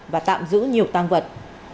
và tạm giữ nhiều tang vật